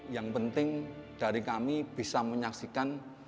yang penting dari kami bisa menyaksikan